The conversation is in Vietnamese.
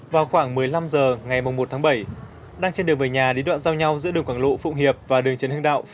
vào khoảng một mươi năm h ngày một tháng bảy đang trên đường về nhà lý đoạn giao nhau giữa đường quảng lộ phụng hiệp và đường trần hưng đạo